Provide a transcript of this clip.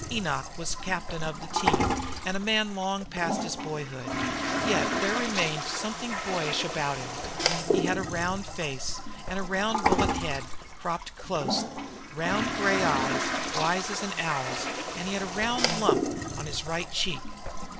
Enoch was captain of the team and a man long past his boyhood. Yet there remained something boyish about him. He had a round face and a round bullet head, cropped close; round gray eyes, wise as an owl's, and he had a round lump on his right cheek.